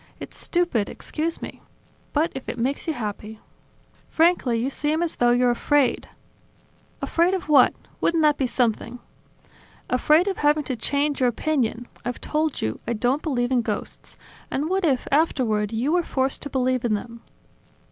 . It's stupid, excuse me! ... But if it makes you happy ..." "Frankly, you seem as though you're afraid." "Afraid of what? Wouldn't that be something!" "Afraid of having to change your opinion. I've told you: I don't believe in ghosts. And what if, afterward, you were forced to believe in them?"